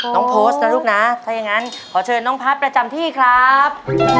โพสต์นะลูกนะถ้าอย่างนั้นขอเชิญน้องพัฒน์ประจำที่ครับ